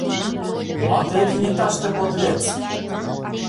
Молан тыге кенеташте подлец?